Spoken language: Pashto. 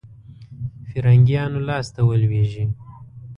فرنګیانو لاسته ولوېږي.